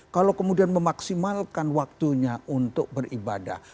kalau kemudian memaksimalkan waktunya untuk beribadah